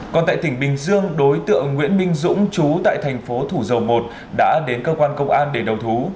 còn tại tỉnh bình dương đối tượng nguyễn minh dũng chú tại thành phố thủ dầu một đã đến cơ quan công an để đầu thú